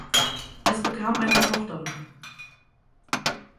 Es bekam eine Tochter.